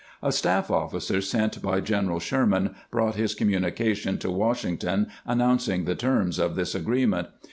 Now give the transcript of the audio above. A staff officer sent by Greneral Sherman brought his communication to Washington announcing the terms of this agreement.